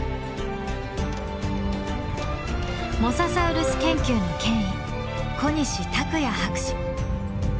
モササウルス研究の権威小西卓哉博士。